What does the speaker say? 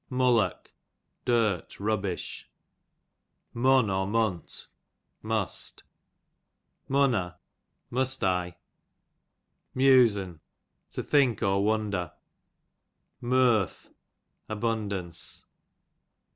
MuHock, dirty rubbish. ^"";°^ I must. Munt, j Munneh, must /. Muse^n, to think or wonder . Murth, abundance.